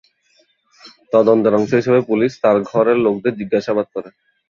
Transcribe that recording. তদন্তের অংশ হিসেবে পুলিশ তার ঘরের লোকদের জিজ্ঞাসাবাদ করে।